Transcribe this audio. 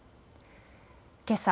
けさ